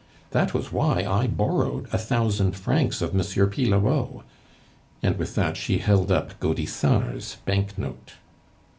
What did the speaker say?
That was why I borrowed a thousand francs of M. Pillerault," and with that she held up Gaudissart's bank note.